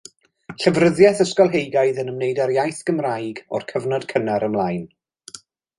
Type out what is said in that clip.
Llyfryddiaeth ysgolheigaidd yn ymwneud â'r iaith Gymraeg o'r cyfnod cynnar ymlaen.